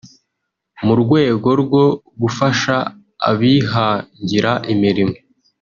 mu rwego rwo gufasha abihangira imirimo